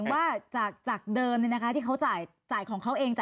ถึงว่าจากจากเดิมนี่นะคะที่เขาจ่ายจ่ายของเขาเอง